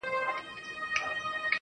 محسوس له ډیره حسنه کړي خوبرو کمي د حسن